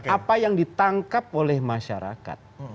apa yang ditangkap oleh masyarakat